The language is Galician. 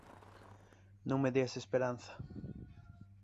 Non me deas esperanza.